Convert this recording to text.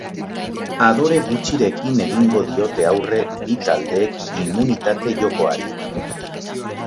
Adore gutxirekin egingo diote aurre bi taldeek immunitate jokoari.